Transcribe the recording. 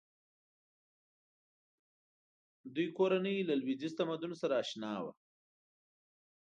دوی کورنۍ له لویدیځ تمدن سره اشنا وه.